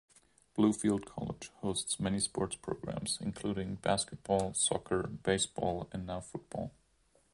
Bluefield College hosts many sports programs, including basketball, soccer, baseball, and now football.